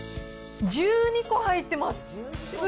１２個入ってます。